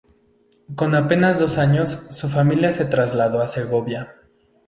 Con apenas dos años, su familia se trasladó a Segovia.